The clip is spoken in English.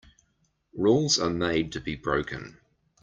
Rules are made to be broken.